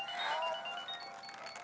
nih ini udah gampang